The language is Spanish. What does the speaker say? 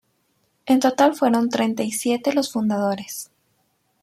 En total fueron Treinta y siete los fundadores.